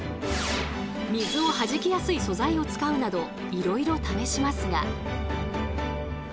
水をはじきやすい素材を使うなどいろいろ試しますが。